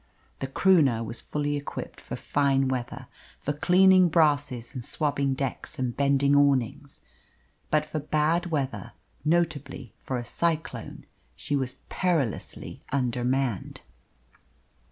The Croonah was fully equipped for fine weather for cleaning brasses and swabbing decks and bending awnings; but for bad weather notably for a cyclone she was perilously undermanned.